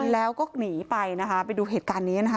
แล้วก็หนีไปนะคะไปดูเหตุการณ์นี้นะคะ